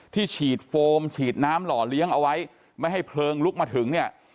ฉีดโฟมฉีดน้ำหล่อเลี้ยงเอาไว้ไม่ให้เพลิงลุกมาถึงเนี่ย